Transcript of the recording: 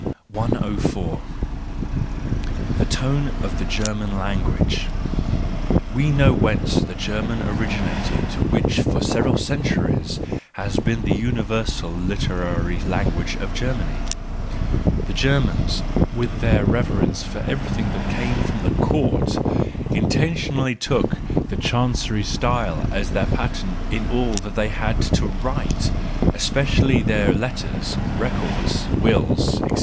104. The Tone of the German Language .—We know whence the German originated which for several centuries has been the universal, literary language of Germany. The Germans, with their reverence for everything that came from the courts intentionally took the chancery style as their pattern in all that they had to write, especially in their letters, records, wills, &c.